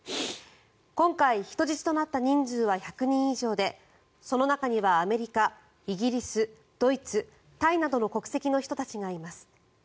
今回、人質となった人数は１００人以上でその中にはアメリカ、イギリスドイツ、タイなどの国籍の人たちがいます。